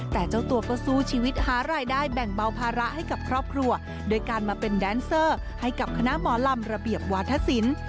แต่เจ้าตัวก็สู้ชีวิตหารายได้แบ่งเบาภาระให้กับครอบครัวโดยการมาเป็นแดนเซอร์ให้กับคณะหมอลำระเบียบวาธศิลป์